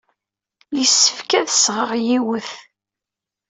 Yessefk ad d-sɣeɣ yiwet.